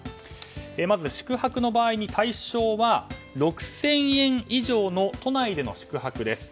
まず宿泊の場合に対象は６０００円以上の都内での宿泊です。